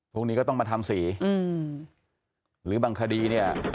พวกนี้ก็ต้องมาทำสีหรือบางคดีเนี่ย